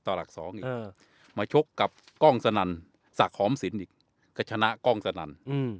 ต่อหลักสองมาชกกับกล้องสนั่นก็ฉนะกล้องสนั่น